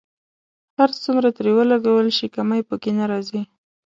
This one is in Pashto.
هر څومره ترې ولګول شي کمی په کې نه راځي.